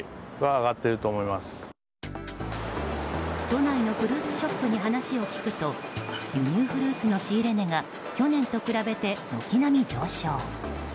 都内のフルーツショップに話を聞くと輸入フルーツの仕入れ値が去年と比べて軒並み上昇。